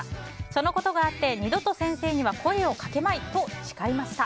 そのことがあって二度と先生には声をかけまいと誓いました。